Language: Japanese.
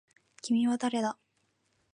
君は誰だ